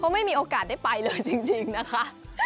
ไม่มีโอกาสได้ไปเลยจริงนะคะ